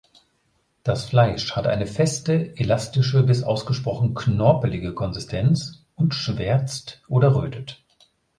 Das Fleisch hat eine feste, elastische bis ausgesprochen knorpelige Konsistenz und schwärzt oder rötet.